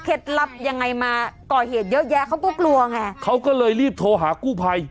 ลับยังไงมาก่อเหตุเยอะแยะเขาก็กลัวไงเขาก็เลยรีบโทรหากู้ภัย